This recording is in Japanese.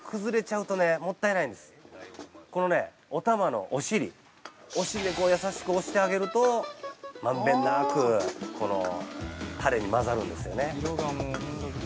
このね、お玉のお尻、お尻でこう優しく押してあげるとまんべんなくこのタレに混ざるんですよね。